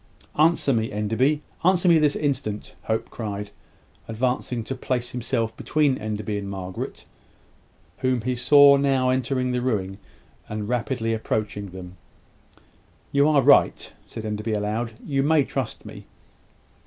"Answer me, Enderby answer me this instant," Hope cried, advancing to place himself between Enderby and Margaret, whom he saw now entering the ruin, and rapidly approaching them. "You are right," said Enderby, aloud. "You may trust me."